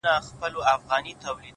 • كله توري سي؛